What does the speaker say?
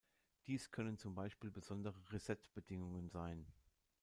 Dies können zum Beispiel besondere Reset-Bedingungen sein.